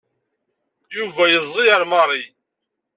Yuba yezzi ar Mary.